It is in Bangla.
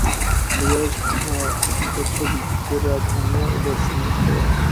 নীরস ভাষাতত্ত্ববিদেরা ধর্ম বা দর্শন বুঝতে পারে না।